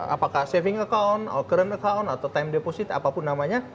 apakah saving account current account atau time deposit apapun namanya